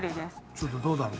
ちょっとどうだろう？